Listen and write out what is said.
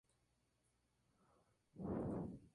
Además, tuvo una representación de sus estudios.